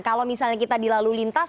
kalau misalnya kita dilalui lintas